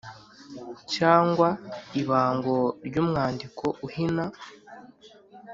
cyangwa ibango ry’umwandiko uhina.